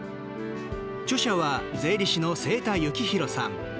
著者は、税理士の清田幸弘さん。